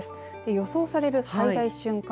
予想される最大瞬間